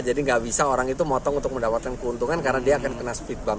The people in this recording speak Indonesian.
jadi nggak bisa orang itu motong untuk mendapatkan keuntungan karena dia akan kena speed bump